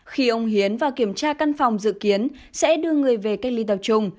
khi ông hiến và kiểm tra căn phòng dự kiến sẽ đưa người về cách ly tập trung